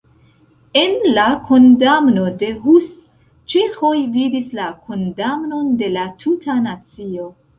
En la kondamno de Hus ĉeĥoj vidis la kondamnon de la tuta nacio.